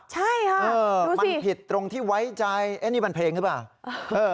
ใช่ค่ะเออมันผิดตรงที่ไว้ใจเอ๊ะนี่บันเพลงใช่ป่ะเออ